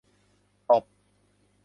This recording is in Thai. ตบ